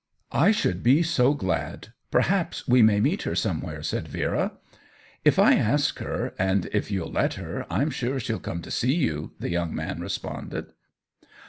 "I should be so glad; perhaps we may meet her somewhere," said Vera. "If I ask her, and if you^ll let her, I'm sure she'll come to see you," the young man re sponded.